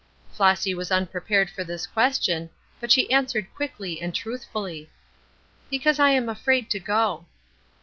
Flossy was unprepared for this question, but she answered quickly and truthfully: "Because I am afraid to go."